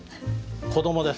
「子供」です。